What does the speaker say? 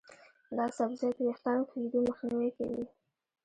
دا سبزی د ویښتانو تویېدو مخنیوی کوي.